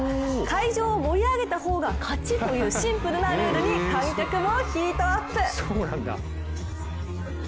会場を盛り上げた方が勝ちというシンプルなルールに観客もヒートアップ。